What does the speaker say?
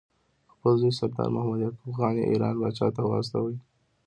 خپل زوی سردار محمد یعقوب خان یې ایران پاچا ته واستاوه.